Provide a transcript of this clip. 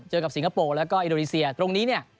เจอกับสิงคโปร์แล้วก็อินโดนีเซียตรงนี้เนี่ย